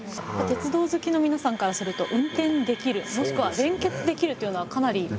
鉄道好きの皆さんからすると運転できるもしくは連結できるというのはかなり。